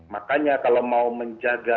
makanya kalau mau menjaga